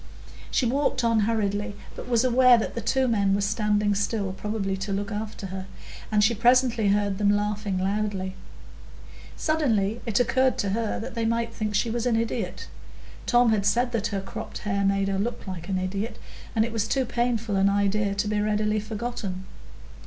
She walked on hurriedly, but was aware that the two men were standing still, probably to look after her, and she presently heard them laughing loudly. Suddenly it occurred to her that they might think she was an idiot; Tom had said that her cropped hair made her look like an idiot, and it was too painful an idea to be readily forgotten.